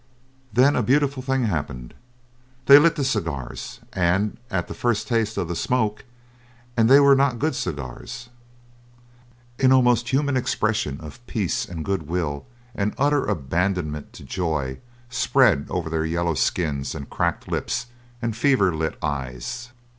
Then a beautiful thing happened. They lit the cigars and at the first taste of the smoke and they were not good cigars an almost human expression of peace and good will and utter abandonment to joy spread over their yellow skins and cracked lips and fever lit eyes.